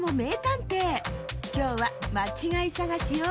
きょうはまちがいさがしよ。